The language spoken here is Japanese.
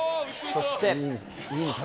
そして。